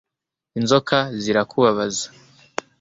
inzoka zirakubabaza